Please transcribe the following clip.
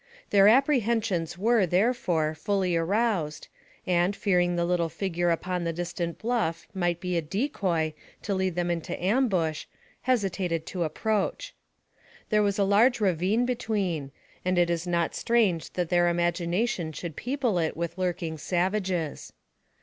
Their apprehensions were, therefore, fully aroused, and, fearing the little figure upon the distant bluff might be a decoy to lead them into ambush, hesitated to approach. There was a large ravine between, and it is not strange that their imagination should people it with lurking savages.